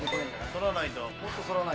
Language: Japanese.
反らないと。